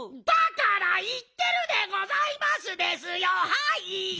だからいってるでございますですよはい！